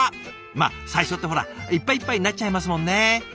まあ最初ってほらいっぱいいっぱいになっちゃいますもんね。